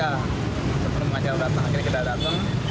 akhirnya kita datang